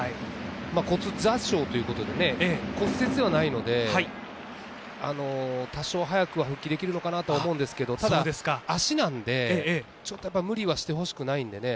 骨挫傷ということで、骨折ではないので、多少早くは復帰できるのかなと思うんですけど、ただ、足なんでちょっと無理はしてほしくないんでね